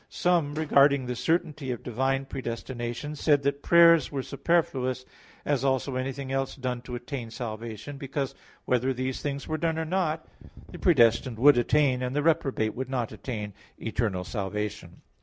Some, regarding the certainty of divine predestination, said that prayers were superfluous, as also anything else done to attain salvation; because whether these things were done or not, the predestined would attain, and the reprobate would not attain, eternal salvation.